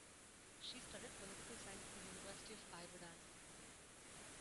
She studied political science at the University of Ibadan.